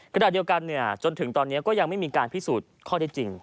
ขณะเดียวกันจนถึงตอนนี้ก็ยังไม่มีการพิสูจน์ข้อได้จริง